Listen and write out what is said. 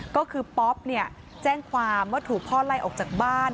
ก็คือป๊อปแจ้งความว่าถูกพ่อไล่ออกจากบ้าน